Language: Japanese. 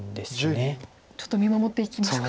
ちょっと見守っていきますか。